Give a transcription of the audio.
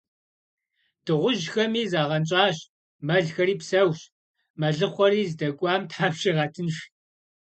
Дыгъужьхэми загъэнщӏащ, мэлхэри псэущ, мэлыхъуэри здэкӏуам Тхьэм щигъэтынш.